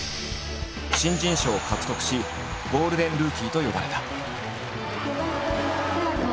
新人賞を獲得し「ゴールデンルーキー」と呼ばれた。